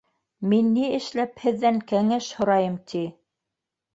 Мин ни эшләп һеҙҙән кәңәш һорайым ти?